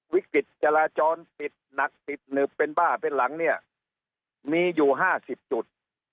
วิกฤตจราจรติดหนักติดหนึบเป็นบ้าเป็นหลังเนี่ยมีอยู่๕๐จุด